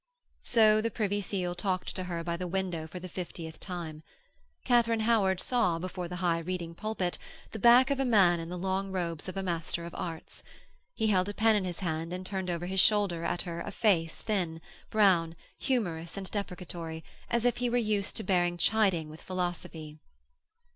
So the Privy Seal talked to her by the window for the fiftieth time. Katharine Howard saw, before the high reading pulpit, the back of a man in the long robes of a Master of Arts. He held a pen in his hand and turned over his shoulder at her a face thin, brown, humorous and deprecatory, as if he were used to bearing chiding with philosophy.